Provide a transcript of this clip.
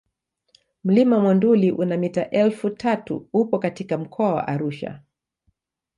Mlima Monduli una mita elfu tatu upo katika mkoa wa Arusha